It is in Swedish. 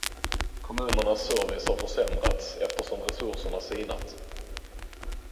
Kommunernas service har försämrats eftersom resurserna sinat.